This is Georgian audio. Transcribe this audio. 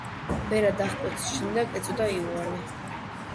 ბერად აღკვეცის შემდეგ ეწოდა იოანე.